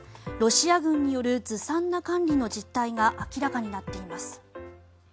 ロシア軍によるずさんな管理の実態が明らかになっています。